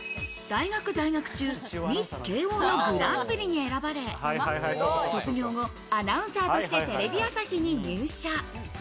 大学在学中、ミス慶應のグランプリに選ばれ、卒業後、アナウンサーとしてテレビ朝日に入社。